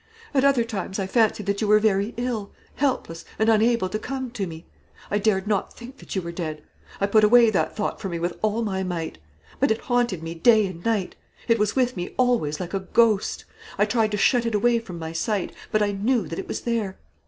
At other times I fancied that you were very ill, helpless, and unable to come to me. I dared not think that you were dead. I put away that thought from me with all my might; but it haunted me day and night. It was with me always like a ghost. I tried to shut it away from my sight; but I knew that it was there.